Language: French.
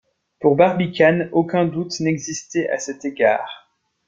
Pour Barbicane, aucun doute n’existait à cet égard.